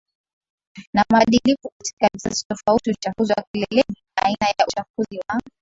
na mabadiliko katika vizazi tofautiUchafuzi wa keleleNi aina ya uchafuzi wa